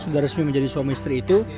sudah resmi menjadi suami istri itu